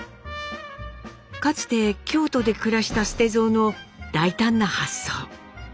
かつて京都で暮らした捨蔵の大胆な発想。